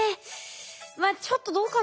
まあちょっとどうかなって思う。